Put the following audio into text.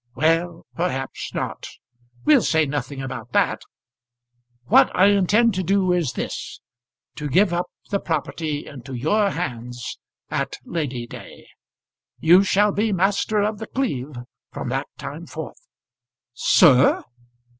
"Well, perhaps not. We'll say nothing about that. What I intend to do is this; to give up the property into your hands at Lady day. You shall be master of The Cleeve from that time forth." "Sir?"